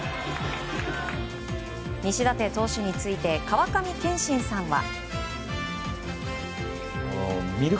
西舘投手について川上憲伸さんは。